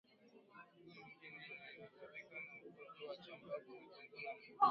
Mifugo mingine inayoathirika na ugonjwa wa chambavu ni kondoo na mbuzi